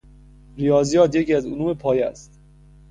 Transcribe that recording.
ریاضیات یکی از علوم پایه است.